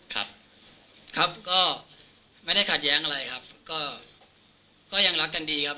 ครับครับก็ไม่ได้ขัดแย้งอะไรครับก็ยังรักกันดีครับ